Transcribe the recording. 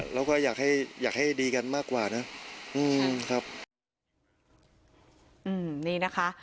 เราก็อยากให้ดีกันมากกว่านะ